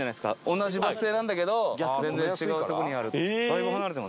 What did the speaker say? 同じバス停なんだけど全然違う所にある。